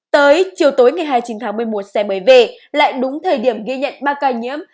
tới chiều tối ngày hai mươi chín tháng một mươi một xe mới về lại đúng thời điểm ghi nhận ba ca nhiễm